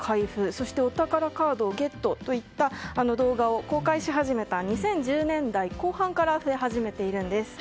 そしてお宝カードをゲットといった動画を公開し始めた２０１０年代後半から増え始めているんです。